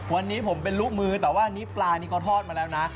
วันนี้ผมเป็นลูกมือแต่ว่าอันนี้ปลานี่เขาทอดมาแล้วนะ